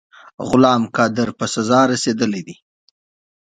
غلام قادر په سزا رسېدلی دی.